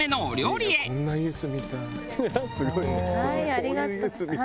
「すごいね」